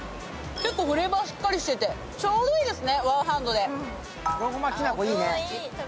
結構フレーバー、しっかりしててちょうどいいですね、ワンハンドで。